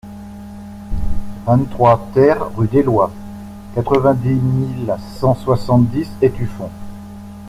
vingt-trois TER rue d'Éloie, quatre-vingt-dix mille cent soixante-dix Étueffont